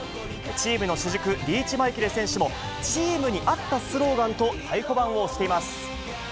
チームの主軸、リーチマイケル選手も、チームに合ったスローガンと太鼓判を押しています。